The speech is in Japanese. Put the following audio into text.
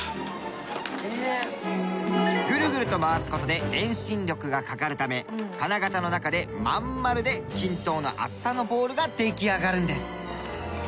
ぐるぐると回す事で遠心力がかかるため金型の中でまん丸で均等な厚さのボールが出来上がるんです。